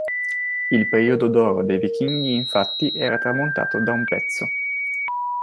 Il periodo d'oro dei vichinghi infatti era tramontato da un pezzo.